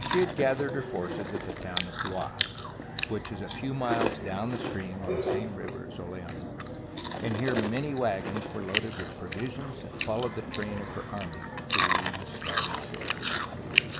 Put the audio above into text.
She had gathered her forces at the town of Blois, which is a few miles down stream on the same river as Orleans, and here many waggons were loaded with provisions and followed in the train of her army, to relieve the starving city.